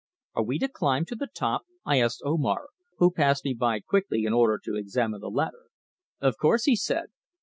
"Are we to climb to the top?" I asked Omar, who passed me by quickly in order to examine the ladder. "Of course," he said.